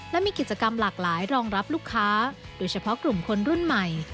และมีกิจกรรมหลากหลายรองรับลูกค้าโดยเฉพาะกลุ่มคนรุ่นใหม่